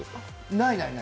ない、ない。